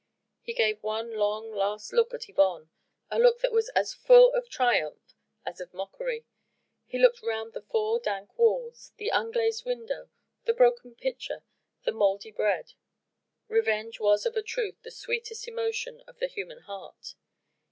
He gave one long, last look on Yvonne a look that was as full of triumph as of mockery he looked round the four dank walls, the unglazed window, the broken pitcher, the mouldy bread. Revenge was of a truth the sweetest emotion of the human heart.